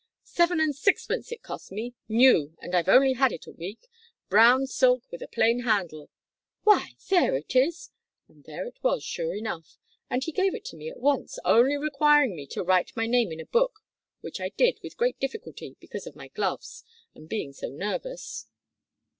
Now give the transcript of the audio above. Seven and sixpence it cost me new, and I've only had it a week brown silk with a plain handle why, there it is!' And there it was sure enough, and he gave it to me at once, only requiring me to write my name in a book, which I did with great difficulty because of my gloves, and being so nervous.